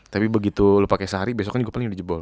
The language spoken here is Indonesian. tapi begitu lo pakai sehari besok kan juga paling murah gitu loh